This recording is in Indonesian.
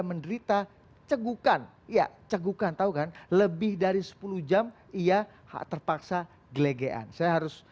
menderita cegukan ya cegukan tahu kan lebih dari sepuluh jam ia terpaksa gelegean saya harus